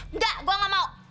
enggak gue gak mau